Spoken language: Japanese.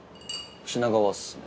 品川っすね。